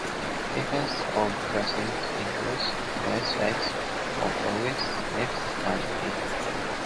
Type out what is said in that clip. Principles of classification include criteria like morphology, syntax, and meaning.